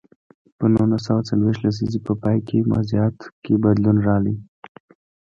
په نولس سوه څلویښت لسیزې په پای کې وضعیت کې بدلون راغی.